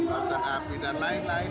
lautan api dan lain lain